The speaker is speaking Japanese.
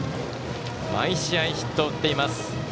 毎試合、ヒットを打っています。